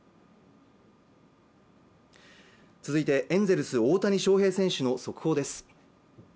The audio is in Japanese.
続いてエンゼルス・大谷翔平選手の速報です